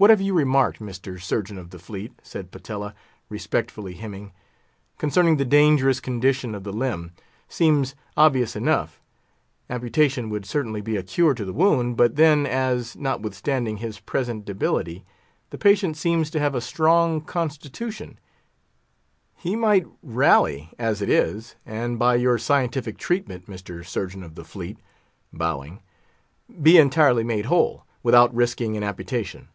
"What you have remarked, Mr. Surgeon of the Fleet," said Patella, respectfully hemming, "concerning the dangerous condition of the limb, seems obvious enough; amputation would certainly be a cure to the wound; but then, as, notwithstanding his present debility, the patient seems to have a strong constitution, he might rally as it is, and by your scientific treatment, Mr. Surgeon of the Fleet"—bowing—"be entirely made whole, without risking an amputation.